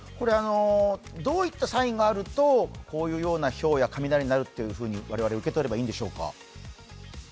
どういったサインがあるとこういうひょうや雷になると我々受け止めればいいんでしょうか？